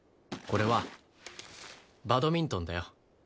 これはバドミントンだよ。